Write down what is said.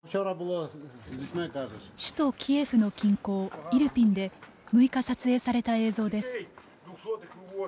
首都キエフの近郊イルピンで６日撮影された映像です。